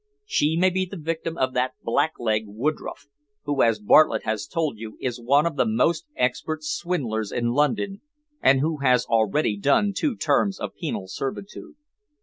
She may be the victim of that blackleg Woodroffe, who, as Bartlett has told you, is one of the most expert swindlers in London, and who has already done two terms of penal servitude."